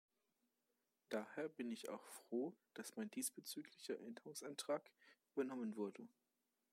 Daher bin ich auch froh, dass mein diesbezüglicher Änderungsantrag übernommen wurde.